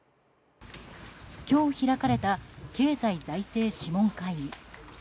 今日開かれた経済財政諮問会議。